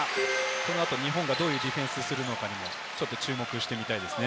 このあと日本がどういうディフェンスをするのかも注目したいですね。